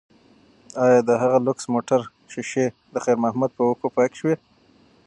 ایا د هغه لوکس موټر ښیښې د خیر محمد په اوښکو پاکې شوې؟